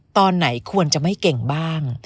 ตอนไหนควรจะไม่เก่งบ้าง